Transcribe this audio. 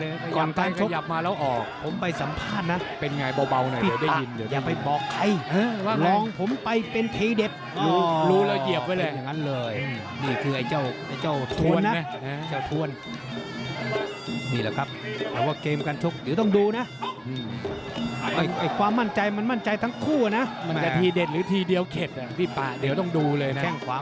อเจมส์ก่อนการชกผมไปสัมภาษณ์นะพี่ป่าอย่าไปบอกใครรองผมไปเป็นทีเด็ดรู้แล้วเกียบไว้เลยนี่คือไอ้เจ้าถ้วนนะนี่แหละครับแต่ว่าเกมการชกเดี๋ยวต้องดูนะไอ้ความมั่นใจมันมั่นใจทั้งคู่นะทีเด็ดหรือทีเดียวเข็ดพี่ป่าเดี๋ยวต้องดูเลยนะ